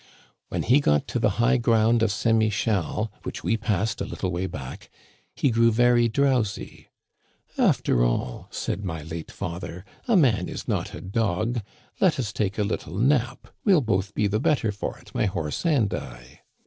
"When he got to the high ground of St. Michel, which we passed a little way back, he grew very drowsy. * After all,' said my late father, * a man is not a dog ! let us take a little nap ; we*ll both be the better for it, my horse and I.'